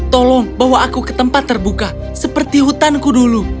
tolong bawa aku ke tempat terbuka seperti hutanku dulu